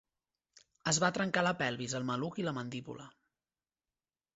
Es va trencar la pelvis, el maluc i la mandíbula.